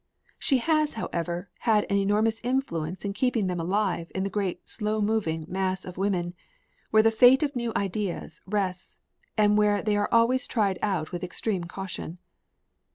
She has, however, had an enormous influence in keeping them alive in the great slow moving mass of women, where the fate of new ideas rests and where they are always tried out with extreme caution.